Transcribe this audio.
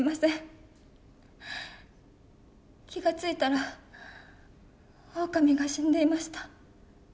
気が付いたらオオカミが死んでいました。